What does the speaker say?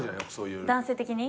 男性的に？